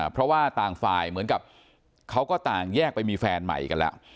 เพราะว่าต่างฝ่ายเหมือนกับเขาก็ต่างแยกไปมีแฟนใหม่กันแล้ว